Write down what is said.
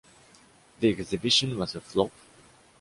The exhibition was a flop.